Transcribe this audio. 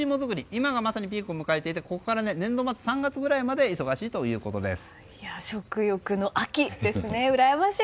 今がまさにピークを迎えていてここから年度末の３月ぐらいまで忙しいということです。